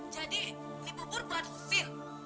jadi ini bubur buat sin